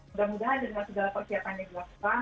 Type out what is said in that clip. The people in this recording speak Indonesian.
mudah mudahan dengan segala persiapan yang dilakukan